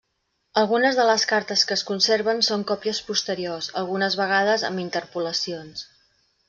Algunes de les cartes que es conserven són còpies posteriors, algunes vegades amb interpolacions.